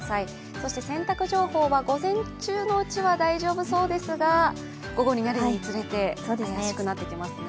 そして洗濯情報は午前中のうちは大丈夫そうですが午後になるにつれて、怪しくなってきますね。